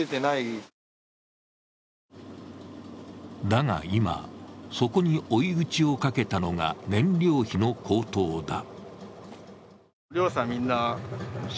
だが、今、そこに追い打ちをかけたのが燃料費の高騰だ。